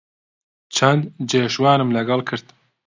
چەند جێژوانم لەگەڵ کرد